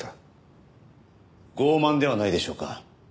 傲慢ではないでしょうか。